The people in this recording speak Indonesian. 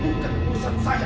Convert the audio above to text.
bukan urusan saya